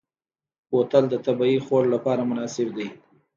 بوتل د طبعي خوړ لپاره مناسب دی.